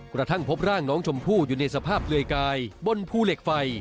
กระทั่งพบร่างน้องชมพู่อยู่ในสภาพเปลือยกายบนภูเหล็กไฟ